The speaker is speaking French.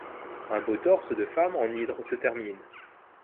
Un beau torse de femme en hydre se termine.